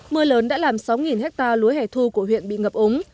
mưa lớn đã làm sáu hectare lúa hẻ thu của huyện bị ngập úng